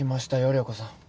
涼子さん。